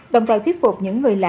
đồng thời thiết phục những người lạ